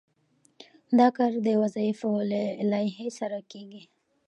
دا کار د وظایفو له لایحې سره کیږي.